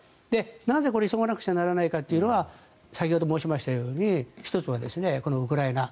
なぜこれは急がないといけないのかというと先ほど申しましたように１つは、このウクライナ。